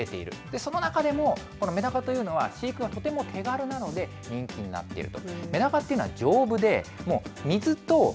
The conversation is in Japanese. その中でも、メダカというのは、飼育がとても手軽なので、人気になっていると。